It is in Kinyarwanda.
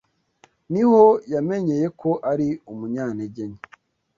niho yamenyeye ko ari umunyantege nke